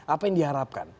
apa yang diharapkan